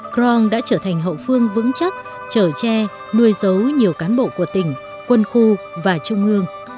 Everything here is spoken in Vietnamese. crong đã trở thành hậu phương vững chắc chở tre nuôi dấu nhiều cán bộ của tỉnh quân khu và trung ương